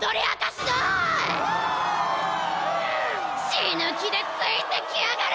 しぬきでついてきやがれ！